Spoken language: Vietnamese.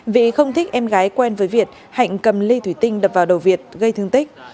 vị không thích em gái quen với việt hạnh cầm ly thủy tinh đập vào đầu việt gây thương tích